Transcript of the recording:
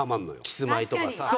キスマイとかさ。